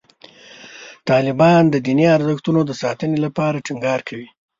طالبان د دیني ارزښتونو د ساتنې لپاره ټینګار کوي.